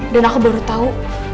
dan aku baru tahu